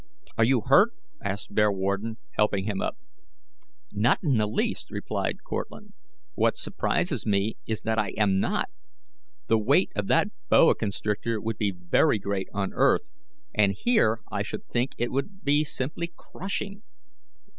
"Are you hurt?" asked Bearwarden, helping him up. "Not in the least," replied Cortlandt. "What surprises me is that I am not. The weight of that boa constrictor would be very great on earth, and here I should think it would be simply crushing."